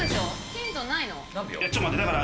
ヒントないの？